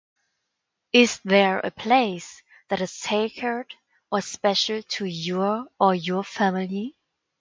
Is there a place that is sacred or special to you or your family?